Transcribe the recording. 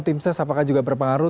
tim ses apakah juga berpengaruh